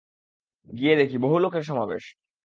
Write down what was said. গিয়ে দেখি, বহু লোকের সমাবেশ।